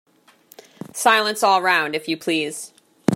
Silence all round, if you please!